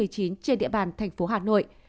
trên địa bàn tp hà nội